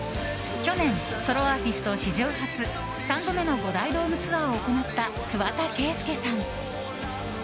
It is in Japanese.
去年ソロアーティスト史上初３度目の五大ドームツアーを行った桑田佳祐さん。